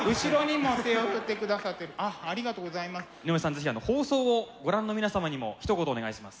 是非放送をご覧の皆様にもひと言お願いします。